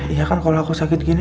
iya kan kalau aku sakit gini